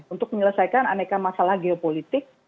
untuk menyelesaikan aneka masalah geopolitik